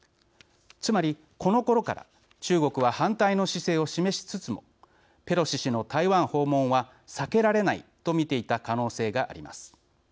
つまり、このころから中国は反対の姿勢を示しつつもペロシ氏の台湾訪問は避けられないと見ていた可能性があります。